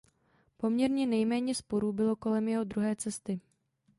Poměrně nejméně sporů bylo kolem jeho druhé cesty.